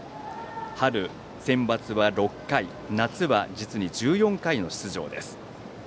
春センバツは６回夏は実に１４回の出場です。